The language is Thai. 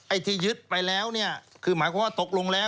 ไอ้ที่ยึดไปแล้วคือหมายความว่าตกลงแล้ว